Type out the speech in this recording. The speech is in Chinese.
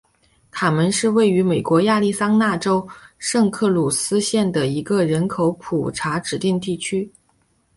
卡门是位于美国亚利桑那州圣克鲁斯县的一个人口普查指定地区。